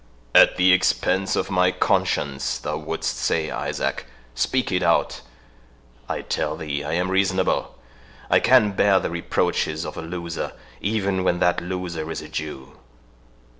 "At the expense of my conscience, thou wouldst say, Isaac; speak it out—I tell thee, I am reasonable. I can bear the reproaches of a loser, even when that loser is a Jew.